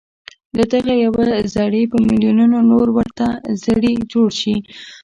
له دغه يوه زړي په ميليونونو نور ورته زړي جوړ شي.